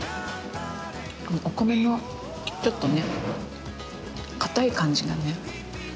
お米のちょっとね硬い感じがね。